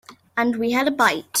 And we had a bite.